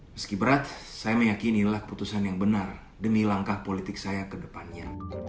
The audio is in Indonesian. meski berat saya meyakinilah putusan yang benar demi langkah politik saya ke depannya